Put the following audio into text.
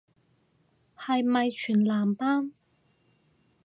係咪全男班